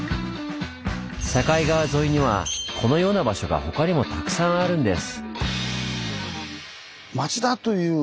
境川沿いにはこのような場所が他にもたくさんあるんです。